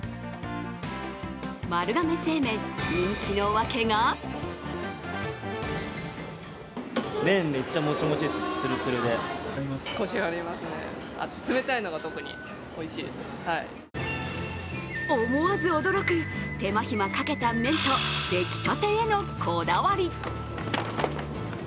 丸亀製麺、人気の訳が思わず驚く、手間暇かけた麺と出来たてへのこだわり。